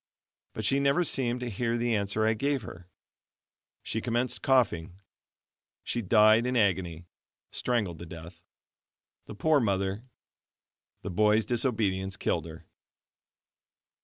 But she never seemed to hear the answer I gave her. She commenced coughing she died in agony strangled to death. The poor mother! The boy's disobedience killed her.